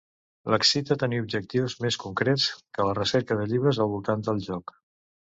L'excita tenir objectius més concrets que la recerca de llibres al voltant del joc.